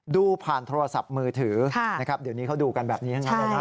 ดูผ่านโทรศัพท์มือถือเดี๋ยวนี้เขาดูกันแบบนี้ด้วยนะครับ